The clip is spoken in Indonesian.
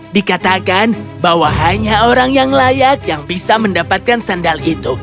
dikatakan bahwa hanya orang yang layak yang bisa mendapatkan sandal itu